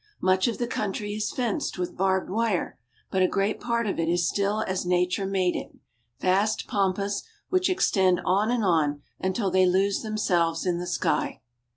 Much of the country is fenced with barbed wire, but a great part of it is still as nature made it — vast pampas which extend on and on until they lose themselves in the sky.